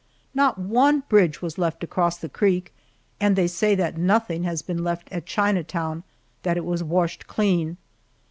Not one bridge was left across the creek, and they say that nothing has been left at Chinatown that it was washed clean.